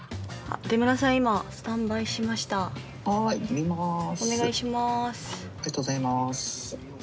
「ありがとうございます」。